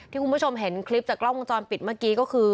คุณผู้ชมเห็นคลิปจากกล้องวงจรปิดเมื่อกี้ก็คือ